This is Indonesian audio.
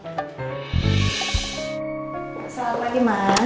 selamat pagi ma